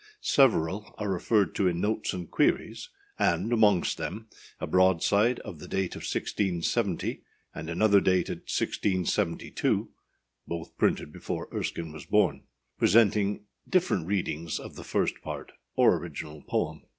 Several are referred to in Notes and Queries, and, amongst them, a broadside of the date of 1670, and another dated 1672 (both printed before Erskine was born), presenting different readings of the First Part, or original poem.